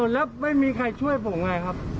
แล้วไม่มีใครช่วยผมไงครับ